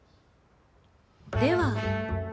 では。